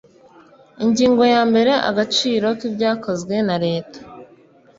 Ingingo ya mbere Agaciro k ibyakozwe naleta